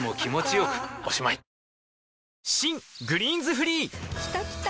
新「グリーンズフリー」きたきた！